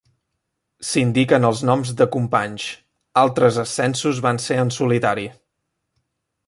S'indiquen els noms de companys; altres ascensos van ser en solitari.